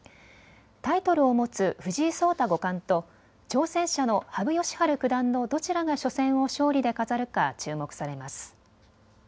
タイトルを持つ藤井聡太五冠と挑戦者の羽生善治九段のどちらが初戦を勝利で飾るか注目されます。